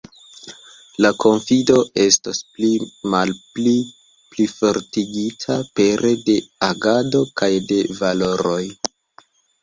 La konfido estos pli malpli plifortigita pere de agado kaj de valoroj.